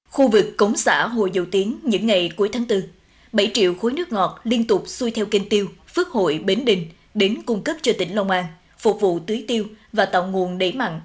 khu vực cống xã hồ dầu tiếng những ngày cuối tháng bốn bảy triệu khối nước ngọt liên tục xuôi theo kênh tiêu phước hội bến đình đến cung cấp cho tỉnh long an phục vụ tưới tiêu và tạo nguồn đẩy mặn